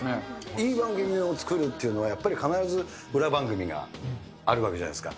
いい番組を作るというのは、やっぱり必ず裏番組があるわけじゃないですか。